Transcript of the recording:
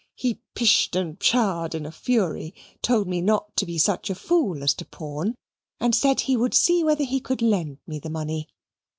He pish'd and psha'd in a fury told me not to be such a fool as to pawn and said he would see whether he could lend me the money.